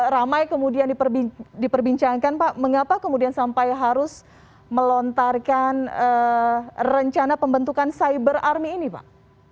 ramai kemudian diperbincangkan pak mengapa kemudian sampai harus melontarkan rencana pembentukan cyber army ini pak